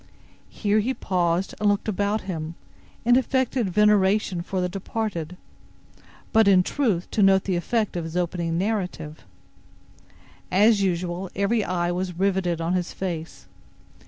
Here he paused, and looked about him, in affected veneration for the departed, but, in truth, to note the effect of his opening narrative. As usual, every eye was riveted on his face.